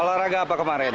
olahraga apa kemarin